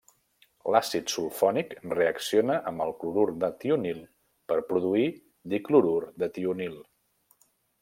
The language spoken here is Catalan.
L'àcid sulfònic reacciona amb el clorur de tionil per produir diclorur de tionil.